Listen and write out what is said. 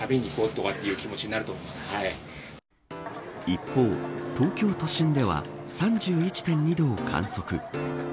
一方、東京都心では３１．２度を観測。